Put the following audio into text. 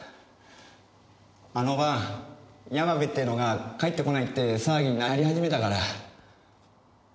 あの晩山部っていうのが帰ってこないって騒ぎになり始めたから。